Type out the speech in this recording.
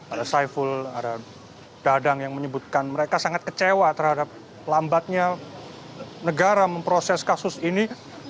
ada saiful ada dadang yang menyebutkan mereka sangat kecewa terhadap lambatnya negara memproses kasus ini